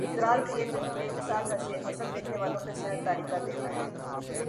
چترال کا یہ بے مثال حسن دیکھنے والوں پر سحر طاری کردیتا ہے